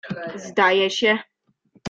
zdaje się.